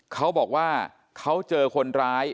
เขาบอกว่าเขาเจอคนร้าย